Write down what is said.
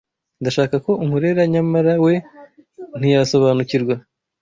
ndashaka ko unkorera nyamara we ntiyasobanukirwa